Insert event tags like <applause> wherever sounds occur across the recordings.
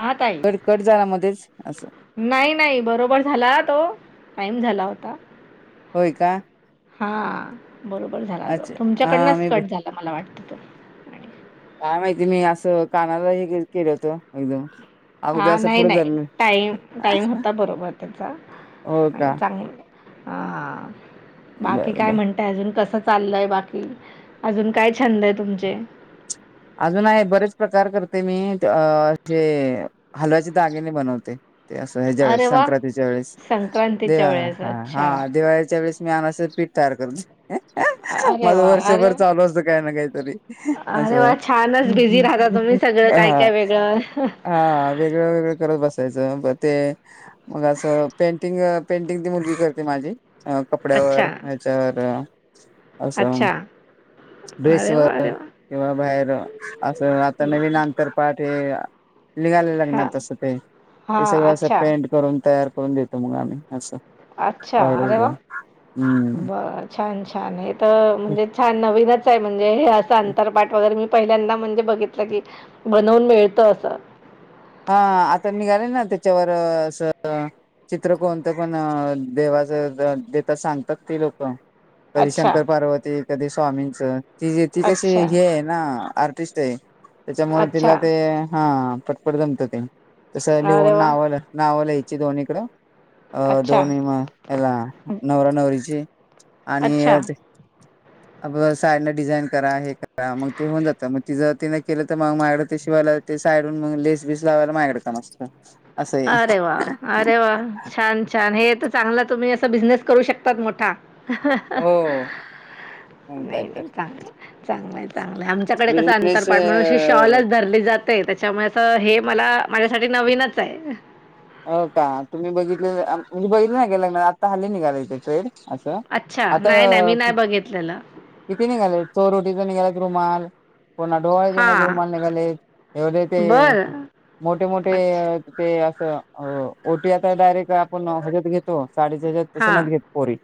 हा ताई cut cut झाला मध्येच असं टाईम झाला होता <inaudible> होय का? हा बरोबर झाला जो अच्छा हा तुमच्याकडनच मी कट झाला मला वाटत काय माहिती मी असं कानालाही केलं होतं एकदम अगोदर हा असं नाही- पुढे नाही धरलं टाईम- टाईम होता बरोबर <inaudible> त्याचा हो का चांगल हा <inaudible> बाकी बरं काय बर म्हणतय अजून कस चाललंय बाकी अजून काय छंद आहे तुमचे? अजून आहे बरेच प्रकार करते मी हलव्याचे दागिने बनवते. ते असं ह्याच्या अरे वेळेस वाह! संक्रांतीच्या वेळेस हा अच्छा. हा दिवाळीच्या वेळेस मी अनारस पीठ तयार करते <inaudible> अरे माझं वाह! अरे वर्षभर वाह! चालू असतं काय ना काय तरी अरे असं वाह! छानच हमं बिझी राहता हंम तुम्ही हंम सगळं काय, हा.. काय वेगळं. हा असं वेगळं वेगळं करत बसते. <unintelligible> ते असं पेंटिंग मुलगी करते माझी. <inaudible> कपड्यावर अच्छा, ह्याच्यावर <inaudible> असं अच्छा. अरे वा ड्रेसवर अरे वा किंवा बाहेर <inaudible> असं आता नवीन अंतर पाट हे हां हां अच्छा. <unintelligible> अच्छा! ऑर्डर अरे वाह! घेऊन हम्म बर छान! छान! नाही म्हणजे अंतरपाट वगैरे पहिल्यांदा म्हणजे बघितलं बनवून मिळतं हा.. आता निघालय ना त्यांच्या वर असं चित्र कोणतं पण देवाचं देतात, सांगतात ती लोकं. कधी अच्छा, शंकर पार्वती, कधी स्वामींच, ती ती कशी अच्छा, हे आहे ना आर्टिस्ट आहे, त्याच्यामुळे अच्छा. तिला ते हा पटपट जमत ते. तसं अरे लिहून वाह! नावंल नाव लिहायची दोन्हीकडं. अ अच्छा. दोन हयाला नवरा नवरीची आणि अच्छा. अ साईडनं डिझाईन करा, हे करा, मग ते होऊन जातं. मग तिजं तिने केलं तर मग माझ्याकडे ते शिवाय ते साईडून मग लेस बीस लावायला माझ्याकडं काम असतं. असं आहे अरे वा! अरे वा! छान! छान! एक चांगला, तुम्ही असा बिझनेस करू शकतात मोठा. ह नाही नाही चांगलं चांगलंय चांगलंय आमच्याकडे कसं अंतर बिझनेस पाठ म्हणून अशी शॉलच धरली जात ते त्याच्यामुळें हे मला माझ्यासाठीठ नवीनच आहे. हो का तुम्ही बघितले म्हणजे बघितले ना ग लग्न आत्ता हल्ली निघालाय ते फेड. असं अच्छा आता नाही नाही मी नाही बघितलेलं किती निघाले चोरोटीचा निघाला रुमाल कोणा डोहाळ जेवणाचे, हां रुमाल निघाले एवढे ते बरं मोठे मोठे अच्छा ते असं ओटी आता डायरेक्ट पण हजार घेतो. <unintelligible> तसं ना हां घेत पोरी.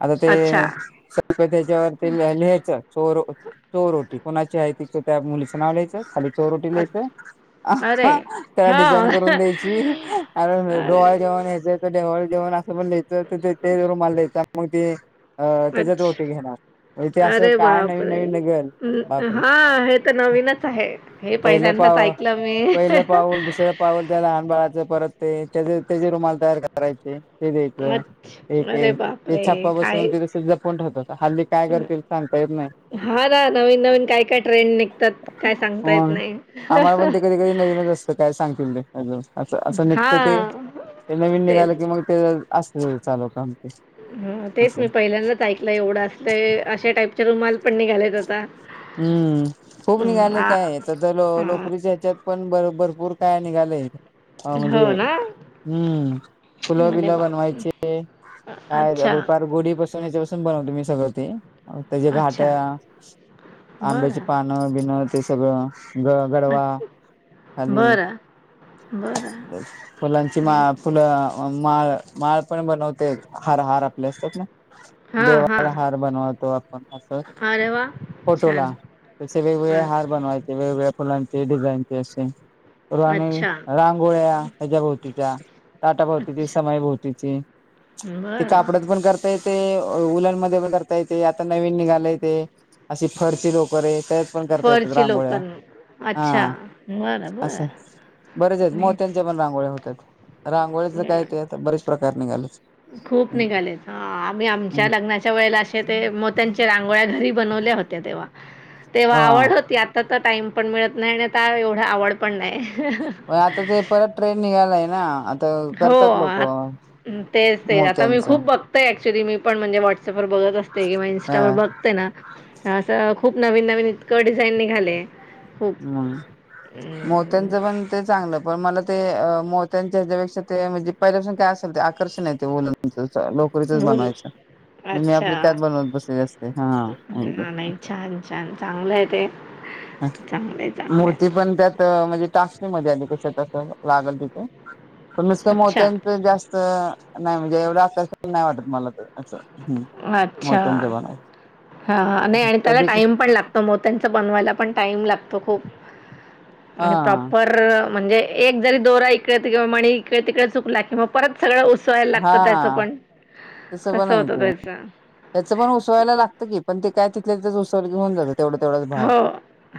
आता ते अच्छा सगळं त्याच्यावरती लिहायचं. चोर ओ चोर ओटी कुणाची आहे, तिचं त्या मुलीचं नाव लिहायचं खाली चोरोटी ल्यायचं, अच्छा अरे त्याला डिझाईन हां करून द्यायची. अरे डोहाळं जेवण लिहायचं का ढवाळ जेवण असं पण लिहायचं ते ते रुमाला द्यायचा मग ते अं त्याच्यात ओटी अच्छा घेणार. थे असं अरे काय नवीन बापरे नवीन नि घंल न- बापरे. हां हे तर नवीनच आहे हे पहिलं पा पहिल्यांदाच ऐकलं मी पहिलं पाऊल, दुसरं पाऊल त्या लहान बाळाचं परत ते त्याचे त्याचे रुमाल तयार करायचे. ते द्याचंय अच्छा एक अरे एक, ते बापरे छापा काय बसवून तिथ जपून ठेवतात. हल्ली काय करतील सांगता येत नाही. हा ना नवीन नवीन काय काय ट्रेंड निघतात, काय सांगता येत नाही. नवीन नवीनच असतं काय सांगतील ते. अजून असं असं निघतं ते. हां, ते नवीन तेच. निघालं की मग ते असतं चालू काम ते ह तेच असं मी पहिल्यांदाच ऐकलं एवढं असलंय अशा टाईपच्या रुमाल पण निघालायत आता. हम्म खूप अं, निघालंय आ काय तर तर ल आ लोकरीच्या ह्याच्यात पण बरोब भरपूर काय निघाललंय. अं म्हणजे हो ना? हम्म फुलं अरे बिलं बापरे! बनवायचे काय अच्छा, <unintelligible> गोडी बसून याच्यापसून बनव सगळ ते त्याच्या अच्छा. घाट्या आंब्याची बरं. पान-बिणं ते सगळं ग गडवा खाली बर फुलांची माळ फुलं माळ, माळ पण बनवते हार हार आपले असतात ना, हां, हां. देवाला हार बनवतो. अरे वाह! फोटोला छान. त वेगवेगळे अ हार बनवायचे वेगवेगळे फुलांचे, डिझाईनचे असे <unintelligible> अच्छा, रांगोळ्या ह्याच्या भोवतीच्या, ताटाभोवतीची, अच्छा. समयभोवतीची ते बरं. कापडात पण करता येते उलन मध्ये पण करता येतंय आता नवीन निघालाय ते. अशी फरशी लोकरे, त्याच्या पण करता येतात फरची रांगोळ्या. लोकं अच्छा हा बरं बरं असं बर नाहीच मोत्यांच्या पण रांगोळ होत्या त. रांगोळ्याचं काय बरं. ते आता बरेच प्रकार निघालेत. खूप निघालेत, आम्ही आमच्या लग्नाच्या वेळेला असे ते मोत्यांच्या रांगोळ्या घरी बनवले होते. तेव्हा, तेव्हा हा आवड होती, आता तर टाइम पण मिळत नाही आणि आता एवढ आवड पण नाही. म आता ते परत ट्रेन निघालाय ना आता करतात. लोक तेच-तेच आता मी मोत्यांचं खूप बघतय ऍक्च्युली मी पण म्हणजे व्हॉट्सअप ववर बघत असते किंवा इंस्ट हा ववर ब त्यांना असं खूप नवीन नवीन इतकं डिझाईन निघाले खूप हम्म अं, मोत्यांचं पण ते चांगलं पण मला ते मोत्यांच्या ह्याच्यापेक्षा ते म्हणजे पहिल्यापासून काय असेल ते आकर्षणय ते वुलनच लोकरीचच भूल बनवायचं मी आपली अच्छा त्यात बनवत बसलेली असते. हा हा एकदम नाही अस छान छान चांगलं आहे ते हा चांगलंय चांगलंय मूर्ती पण त्यात म्हणजे टासणीमध्ये आली कशसं लागल तिथे पण नुस्त अच्छा मोत्यांच जास्त नाही म्हणजे एवढं आकर्षण अस नाही वाटत मला तर असं हं अच्छा मोत्यांचा जमाना आहे. हा नाही आणि त्याला टाइम पण लागतो. मोत्यांचा बनवायला पण टाइम लागतो. तो खूप हा आणि प्रॉपर-र-र अ म्हणजे एक जरी दोरा इकडे तिकडे मणी इकडे तिकडे चुकला किंवा परत सगळं उसवायला हा लागतं त्याचं पण तसं पण आहे होतं ते त्याचं याचं पण उसवायला लागतं की पण ते काय तिथले तिथंच उसवल की होऊन जात. तेवढा तेवढाच भाग हो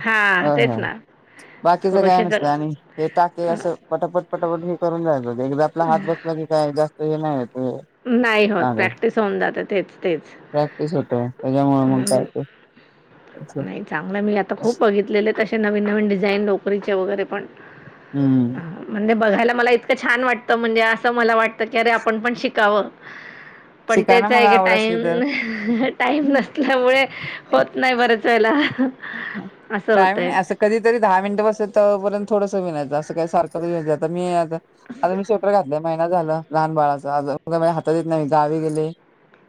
हां हा तेच हा ना बाकीच काय नसतं क्रोशेचं आणि हे टाके असं पटापट पटापट हे करून जायचं एकदा आपला हात बसला की त्याच काय जास्त हे नाही येत. नाही होत प्रॅक्टिस होऊन जाते तेच तेच प्रॅक्टिस होतो त्याच्यामुळे मग काय अं, ते नाही चांगलं मी आता खूप बघितलेले तसे नवीन नवीन डिझाईन लोकरीचे वगैरे पण हम्म. हां, म्हणजे बघायला मला इतकं छान वाटतं म्हणजे असं मला वाटतं की अरे आपण पण शिकावं पण शिका ना त्याचा मग एक आवड असली तर टाईम-टाईम नसल्यामुळे होत नाही बरेच वेळेला असं टाईम होतंय. नाही असं कधीतरी दहा मिनिट बसत. तोपर्यंत थोडसं वीणायचं असं काही सारखंचं मी आ आता मी स्वेटर घातलं महिना झाला लहान बाळाचा हातात येत नाही मी गावी गेले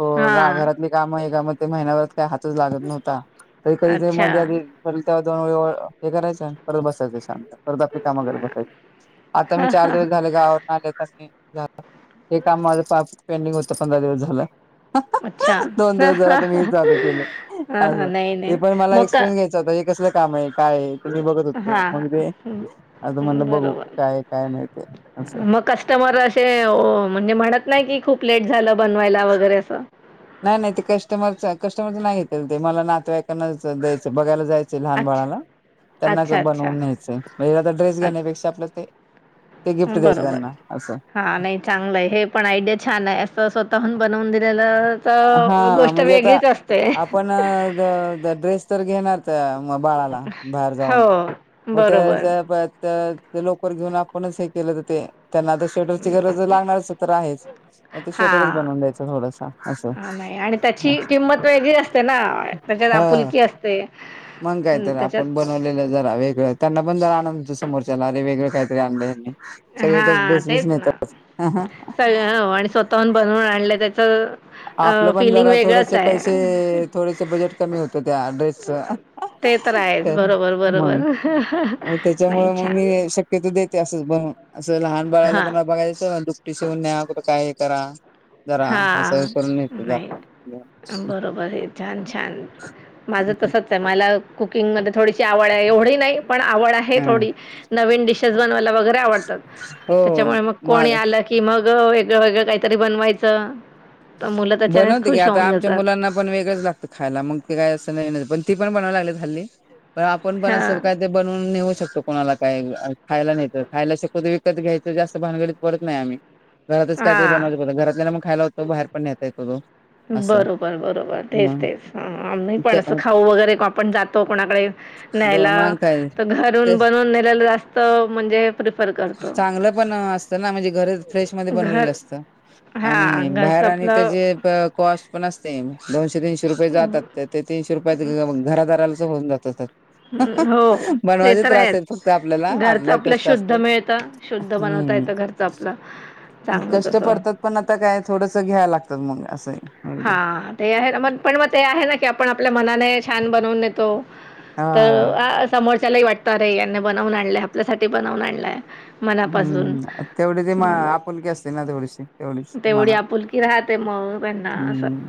हो ग हां. घरातले काम आहे काम ते महिनाभरात काही हातच लागत नव्हता तरी कधी ते अच्छा, मध्ये आधी होईल तेव्हा दोन ओळी हे करायचं परत बसायचं शांत परत आपली कामा करत बसायचं आता मी चार दिवस झाले गावा वरन आलीयत आणि हे काम माझं पेंडिंग होतं पंधरा दिवस झालं अच्छा. दोन दिवस झालं आता मी हे चालू केलं असं हां, नाही, नाही. मला मग का एक्सपिरियन्स घ्यायचा होता हे कसलं काम आहे काय आहे तुम्ही बघत होते मग हां. मी ते हं, आता म्हणलं बघू काय काय नाही ते बरोबर असं. मग कस्टमर असे म्हणजे म्हणत नाही कि खूप लेट झालं बनवायला वगैरे असं नाही नाही ते कस्टमरच कस्टमरच नाही घेतलं ते मला नातवाईकांनाच द्यायचं बघायला जायचं. लहान अच्छा, बाळाला त्यांना अच्छा, अच्छा. बनवून न्यायचंय म्हणजे आता ड्रेस अ घेण्यापेक्षा आपलं ते ते गिफ्ट द्यायचं बरोबर त्यांना असं हा नाही चांगलं आहे हे पण आयडिया छान आहे असं स्वतःहून बनवून दिलेलं तर हा गोष्ट म्हणजे आता वेगळीच असते आपण ड्रेस तर घेणार त्या मग बाळाला बाहेर हो जाऊन मग बरोबर त्या तर ते लवकर घेऊन आपणच हे केलं तर ते त्यांना तर स्वेटर गरज लागणारच तर आहेच मग ते स्वेटर बनवून द्यायचं थोडंसं हा नाही आणि त्याची किंमत वेगळी असते ना त्याच्यात हा आपुलकी असते. मग काय अं, तर आपण त्याच्यात बनवलेलं जरा वेगळं त्यांना पण जरा आनंद समोरच्याला अरे वेगळं काहीतरी आणलंय ह्यांनी सगळे तर हां ड्रेस बिस तेच ना नेतातच सगळं हो आणि स्वतःहून बनवून आणलं त्याचं आपलं पण फिलिंग जरा वेगळंच थोडेसे पैसे आहे थोडेसे बजेट कमी होतं त्या ड्रेसचं ते तर आहेच बरोबर बरोबर हो नाही त्याच्यामुळे मग मी छान शक्यतो देते असंच बनवून असं लहान बाळाला हां कोणाला बघायचच दुपटी शिवून न्या कुठं काय करा जरा असं हां नेते नाही जाताना. बरोबर आहे छान छान. माझं तसंच आहे मला कुकिंगमध्ये थोडीशी आवड आहे एवढी नाही पण आवड आहे थोडी नवीन डिशेस बनवायला बघा वगैरे आवडतात हो त्याच्यामुळे मग माझ कोणी आलं की मग वेगळंवेगळ काहीतरी बनवायचं. तर मुलं त्याच्यानेच बनवते की खुश आता होऊन आमच्या जातात. मुलांना पण वेगळंच लागतं खायला मग ते काही असं नाही पण ती पण बनवायला लागली झाली पण आपण पण असं हां. काय ते बनवून नेऊ शकतो. कोणाला काही खायला नाही तर खायला शिकवत विकत घ्यायचं जास्त भानगडीत पडत नाही आम्ही. घरातच काहीरी हां. बनवायचक होत घरातल्याना मग खायला होतो बाहेर पण नेता येतो तो. असं बरोबर बरोबर तेच मग तेच नाही पण त्या असं अ, खाऊ वगैरे आपण जातो कोणाकडे दो न्यायला मग काय तर घरून ते बनवून नेलेलं जास्त म्हणजे प्रिफर करतो. चांगलं पण असतं ना म्हणजे घर फ्रेश मध्ये घर बनवलेलं असत आणि हां, बाहेर घरचं आणि आपलं त्याचे कॉस्ट पण असते. दोनशे तीनशे रुपये जातात. ते तीनशे रुपयात घरा दारालाच होऊन जातात. हम्म हो ते तर फक्त आपल्याला आहेच घरच आपलं आपल कष्ट शुद्ध असतात मिळ त शुद्ध बनवता हम्म येत घरच आपलं. चांगलं कष्ट तसं. पडतात पण आता काय थोडंसं घ्यावं लागतात मग. असं हा ते आहे मन पण मग ते आहे ना की आपण आपल्या मनाने छान बनवून नेतो. तर हा अ समोरच्यालाही वाटतं अरे यांनी बनवून आणलाय आपल्यासाठी बनवून आणलाय. मनापासून हम्म तेवढी ते अम्म आपुलकी असते ना थोडीशी तेवढीच तेवढी मनात आपुलकी राहत ते मग हम्म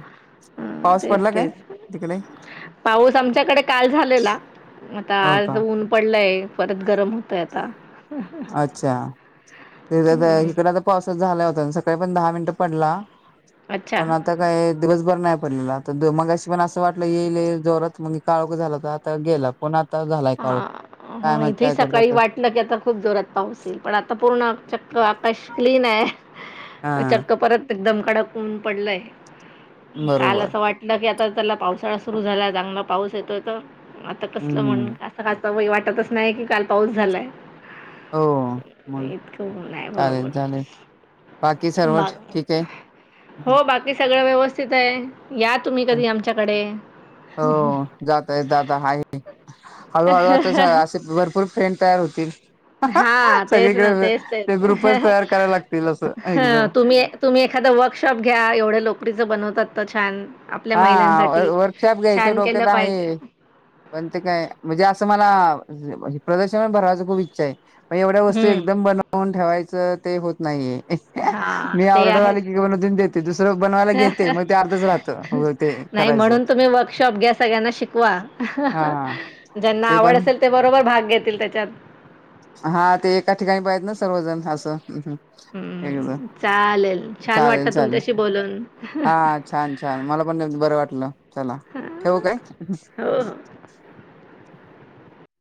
हम्म पाऊस तेच पडला काय तेच तिकडे पाऊस आमच्याकडे काल झालेला. आता हो आज का ऊन पडलंय परत गरम होतंय आता. अच्छा <unintelligible> हम्म इकड आता पाऊसच झाल्या सकाळी पण दहा मिनिटे पडला पण अच्छा. आता काय दिवसभर नाही फक्त. <unintelligible> आता मघाशी पण असं वाटलं येईल येईल जोरात मग काळोख झाला तर आता गेला. पुन्हा आ हो इथेही सकाळी करतात वाटलं की आता खूप जोरात पाऊस येईल पण आता पूर्ण चक्क आकाश क्लीन आहे. हा चक्क परत एकदम कडक ऊन पडलंय काल बरोबर असं वाटलं की आता चला पावसाळा सुरु झाला चांगला पाऊस येतोय तर आता कसलं हम्म म्हणून असं <unintelligible> वाटतच नाही की काल पाऊस झालाय. हो मग इतकं ऊन आहे बरोबर. चालेल चालेल बाकी सर्व बा ठीक आहे. हो बाकी सगळं व्यवस्थित आहे. या तुम्ही कधी <unintelligible> आमच्याकडे हो जातंय दादा आहे. हळूहळू आता सा असे भरपूर फ्रेंड तयार होतील. हा तेच ना सगळीकडे ते ग्रुपच तयार करायला लागतील. असं ह एकदम तुम्ही तुम्ही एखाद वर्कशॉप घ्या एवढं लोकरीच बनवतात तर छान. आपल्या हा महिलांसाठी. <unintelligible> वर्कशॉप घ्यायचं छान केलं डोक्यात पाहिजे. आहे. पण ते काय म्हणजे असं मला म्हणजे म्हणजे प्रदर्शन भरवायच खूप इच्छा आहे मग एवढ्या वस्तू हं, एकदम बनवून ठेवायच त ते होत नाहीये. हां, मी ते ऑर्डर आहेच. आली की <unintelligible> देते दुसरं बनवायला घेते मग ते अर्धच राहतं. हो ते नाही करायचं म्हणून तुम्ही वर्कशॉप घ्या सगळ्यांना शिकवा. हा हा ज्यांना ते आवड पण असेल ते बरोबर भाग घेतील त्याच्यात. हा ते एका ठिकाणी पाहिजे आहेत ना सर्वजण असं हम्म हम्म. हं, चालेल. <unintelligible> छान चालेल वाटलं चालेल तुमच्याशी बोलून. हा छान छान मला <unintelligible> बरं वाटलं चला ठेवू काय. हो, हो.